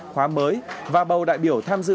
khóa mới và bầu đại biểu tham dự